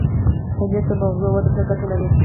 پنېر د مغزو ودې ته ګټه لري.